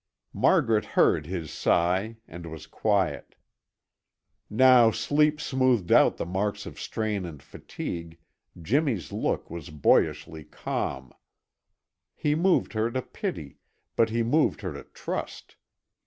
Margaret heard his sigh and was quiet. Now sleep smoothed out the marks of strain and fatigue, Jimmy's look was boyishly calm. He moved her to pity, but he moved her to trust.